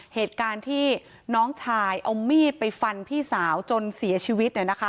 เหตุการณ์ที่น้องชายเอามีดไปฟันพี่สาวจนเสียชีวิต